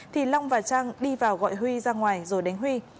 thì long và trang đi vào gọi huy ra ngoài rồi đánh huy